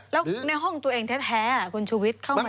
แล้วในห้องตัวเองแท้คนชีวิตเข้ามาแล้ว